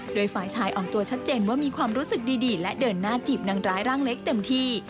โดยฝ่ายชายออกตัวชัดเจนว่ามีความรู้สึกดีและเดินหน้าจีบนางร้ายร่างเล็กเต็มที่